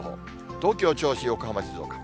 東京、銚子、横浜、静岡。